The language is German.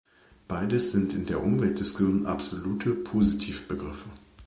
Beides sind in der Umweltdiskussion absolute Positiv-Begriffe.